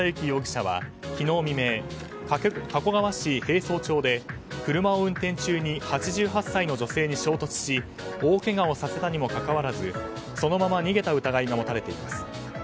容疑者は昨日未明加古川市平荘町で車を運転中に８８歳の女性に衝突し、大けがをさせたにもかかわらずそのまま逃げた疑いが持たれています。